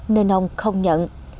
nên ông không nhận